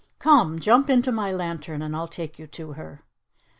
Come, jump into my lantern, and I'll take you to her."